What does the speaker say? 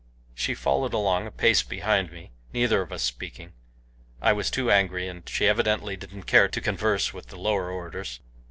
She followed along a pace behind me, neither of us speaking. I was too angry, and she evidently didn't care to converse with the lower orders.